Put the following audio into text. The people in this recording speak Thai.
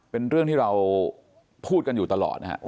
เป็นเรื่องที่เราพูดกันอยู่ตลอดนะครับ